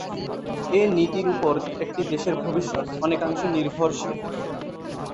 এ নীতির ওপর একটি দেশের ভবিষ্যৎ অনেকাংশে নির্ভরশীল।